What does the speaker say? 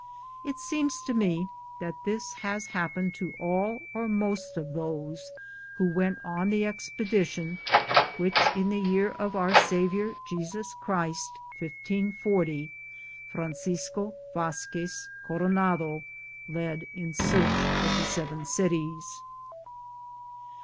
It seems to me that this has happened to all or most of those who went on the expedition which, in the year of our Savior JeBus Christ 1540, Francisco Vazquez Coronado led in search of the Seven Cities.